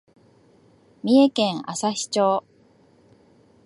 三重県朝日町